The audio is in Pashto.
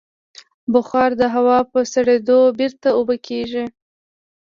بخار د هوا په سړېدو بېرته اوبه کېږي.